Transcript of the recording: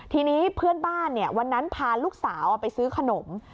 ทีนี้เพื่อนบ้านวันนั้นพาลูกสาวไปซื้อขนม